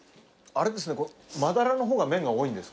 マダラの方が麺が多いんですか？